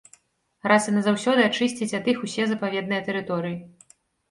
Раз і назаўсёды ачысціць ад іх усе запаведныя тэрыторыі.